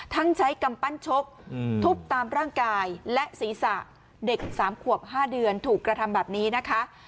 ใช้กำปั้นชกทุบตามร่างกายและศีรษะเด็ก๓ขวบ๕เดือนถูกกระทำแบบนี้นะคะ